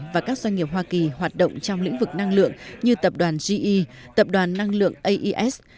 và các doanh nghiệp hoa kỳ hoạt động trong lĩnh vực năng lượng như tập đoàn ge tập đoàn năng lượng ais